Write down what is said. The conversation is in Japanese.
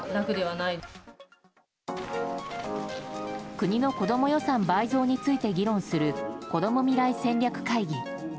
国の子供予算倍増について議論するこども未来戦略会議。